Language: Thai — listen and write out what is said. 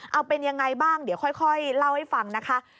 เอาเป็นยังไงบ้างเดี๋ยวค่อยเล่าให้ฟังนะคะ